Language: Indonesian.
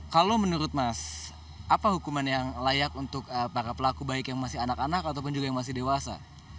kalau menurut mas apa hukuman yang layak untuk para pelaku baik yang masih anak anak ataupun juga yang masih dewasa